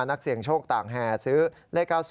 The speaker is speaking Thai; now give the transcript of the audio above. นักเสี่ยงโชคต่างแห่ซื้อเลข๙๐